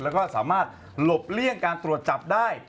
แล้วก็สามารถหลบเลี่ยงการตรวจจับได้